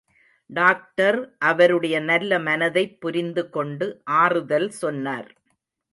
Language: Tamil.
டாக்டர் அவருடைய நல்ல மனதைப் புரிந்து கொண்டு ஆறுதல் சொன்னார்.